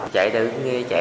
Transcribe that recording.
các trục tây